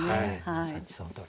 まさにそのとおり。